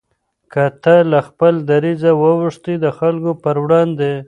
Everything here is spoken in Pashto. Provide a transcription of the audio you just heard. که ته له خپل دریځه واوښتې د خلکو پر وړاندې